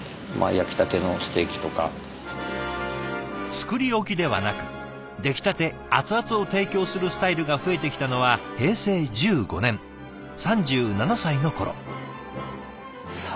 作り置きではなく出来たて熱々を提供するスタイルが増えてきたのは平成１５年３７歳の頃。